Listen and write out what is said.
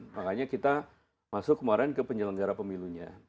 makanya kita masuk kemarin ke penyelenggara pemilunya